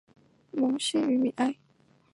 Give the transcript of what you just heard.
蒙希于米埃。